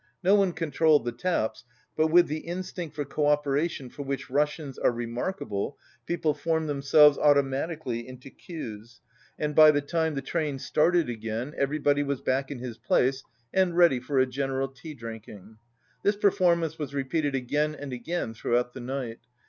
No one controlled the taps but, with the instinct for co operation for which Russians are remarkable, people formed themselves automatically into queues, and by the 21 time the train started again everybody was back in his place and ready for a general tea drinking. This performance was repeated again and again throughout the night.